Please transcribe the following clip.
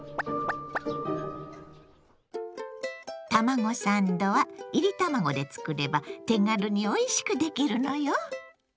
卵サンドはいり卵で作れば手軽においしく出来るのよ。